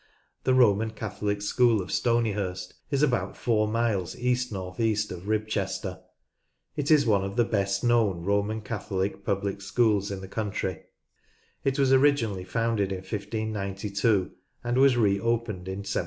The Roman Catholic School of Stoneyhurst is about four miles east north east of Ribchester. It is one of the best known Roman Catholic public schools in the country ; it was originally founded in 1592 and was re opened in 1794.